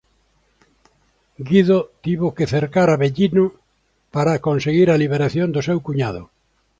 Guido tivo que cercar Avellino para conseguir a liberación do seu cuñado.